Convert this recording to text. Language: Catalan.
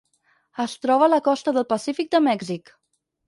Es troba a la costa del Pacífic de Mèxic.